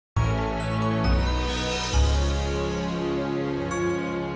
sampai jumpa di video selanjutnya